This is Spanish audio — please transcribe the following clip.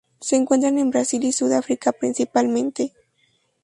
Se encuentran en Brasil y Sudáfrica, principalmente.